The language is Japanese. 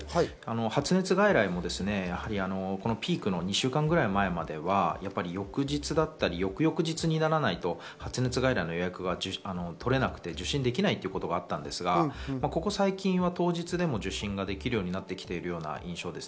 発熱外来もピークの２週間ぐらい前までは翌日だったり翌々日にならないと発熱外来の予約が取れなくて受診できないということがあったんですが、ここ最近は当日でも受診ができるようになっている印象です。